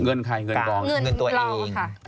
เงินใครเงินกองเงินตัวเอง